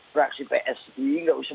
fraksi psi nggak usah